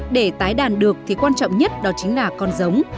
để tái đàn được thì quan trọng nhất đó chính là con giống